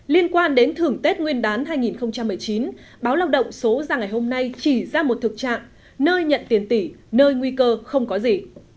liên quan đến thưởng tết nguyên đán hai nghìn một mươi chín báo lao động số ra ngày hôm nay chỉ ra một thực trạng nơi nhận tiền tỷ nơi nguy cơ không có gì